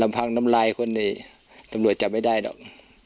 ลำพังน้ำไรคนตัวตัวไม่ได้หรอก